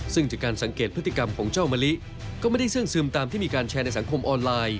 ซึ่งจากการสังเกตพฤติกรรมของเจ้ามะลิก็ไม่ได้เสื่องซึมตามที่มีการแชร์ในสังคมออนไลน์